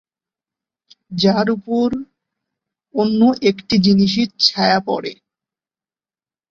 যার উপর অন্য একটি জিনিসের ছায়া পড়ে।